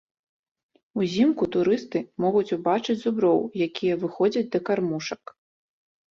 Узімку турысты могуць убачыць зуброў, якія выходзяць да кармушак.